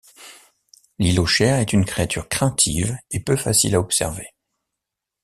L'hylochère est une créature craintive et peu facile à observer.